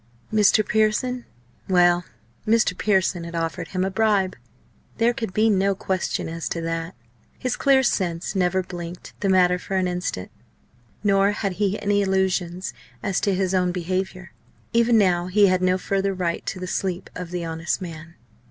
Mr. Pearson? Well! Mr. Pearson had offered him a bribe; there could be no question as to that. His clear sense never blinked the matter for an instant. Nor had he any illusions as to his own behaviour. Even now he had no further right to the sleep of the honest man.